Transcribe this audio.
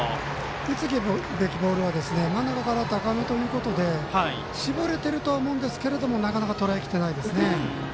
打つべきボールは真ん中から高めということで絞れているとは思うんですけどなかなかとらえきれてないですね。